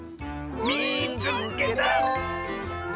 「みいつけた！」。